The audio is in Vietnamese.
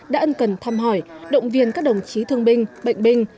đã ân cần thăm hỏi động viên các đồng chí thương binh bệnh binh